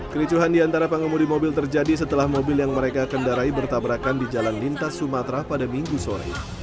kericuhan di antara pengemudi mobil terjadi setelah mobil yang mereka kendarai bertabrakan di jalan lintas sumatera pada minggu sore